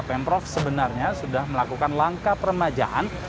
pemprov sebenarnya sudah melakukan langkah permajaan